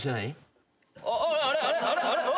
あれあれ。